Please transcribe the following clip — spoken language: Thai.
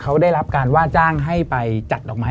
เขาได้รับการว่าจ้างให้ไปจัดดอกไม้